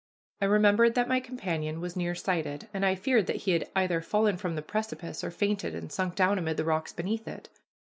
I remembered that my companion was nearsighted, and I feared that he had either fallen from the precipice, or fainted and sunk down amid the rocks beneath it.